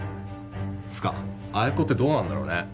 つかああいう子ってどうなんだろうね